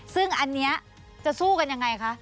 ซึ่งอันนี้จะสู้กันยังไงคะ